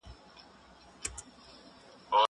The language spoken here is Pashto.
موږ پر دوی باندي ظلم ندی کړی.